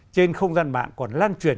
trên không gian mạng còn lan truyền